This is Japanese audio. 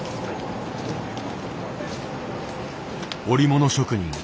織物職人